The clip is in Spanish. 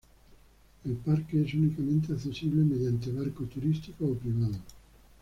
El parque es únicamente accesible mediante barco turístico o privado.